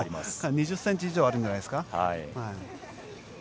２０ｃｍ以上あるんじゃないですか。